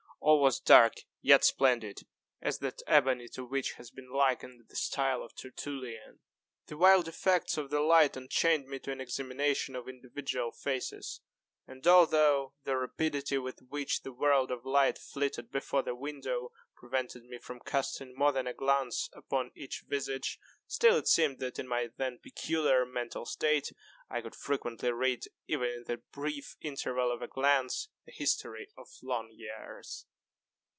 All was dark yet splendid as that ebony to which has been likened the style of Tertullian. The wild effects of the light enchained me to an examination of individual faces; and although the rapidity with which the world of light flitted before the window, prevented me from casting more than a glance upon each visage, still it seemed that, in my then peculiar mental state, I could frequently read, even in that brief interval of a glance, the history of long years.